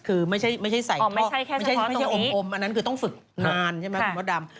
คือไม่ใช่ใส่ไม่ใช่อมอันนั้นคือต้องฝึกนานใช่ไหมคุณพ่อดำ